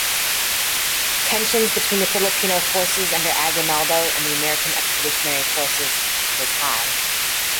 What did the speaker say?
Tensions between the Filipino forces under Aguinaldo and the American Expeditionary forces was high.